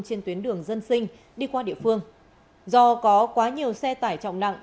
trên tuyến đường dân sinh đi qua địa phương do có quá nhiều xe tải trọng nặng